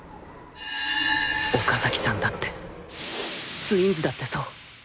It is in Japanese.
岡崎さんだってツインズだってそう。